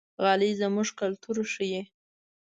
غالۍ زموږ کلتور ښيي.